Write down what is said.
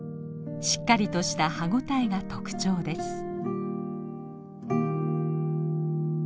しっかりとした歯応えが特徴です。